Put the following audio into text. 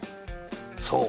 そう。